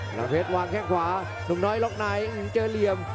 พลังเพชรวางแข้งขวาน้องน้อยล๊อคไนท์เจอเหลี่ยม